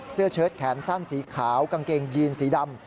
เชิดแขนสั้นสีขาวกางเกงยีนสีดำ